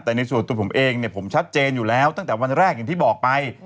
แต่ในส่วนตัวผมเองเนี่ยผมชัดเจนอยู่แล้วตั้งแต่วันแรกอย่างที่บอกไป